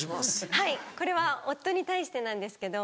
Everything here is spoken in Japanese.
はいこれは夫に対してなんですけど。